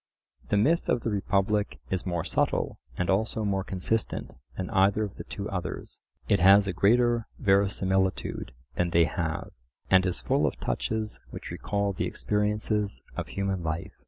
The myth of the Republic is more subtle and also more consistent than either of the two others. It has a greater verisimilitude than they have, and is full of touches which recall the experiences of human life.